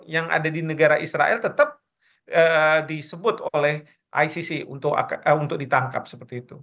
yang ada di negara israel tetap disebut oleh icc untuk ditangkap seperti itu